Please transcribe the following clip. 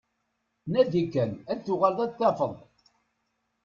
Nadi kan, ad tuɣaleḍ ad t-tafeḍ.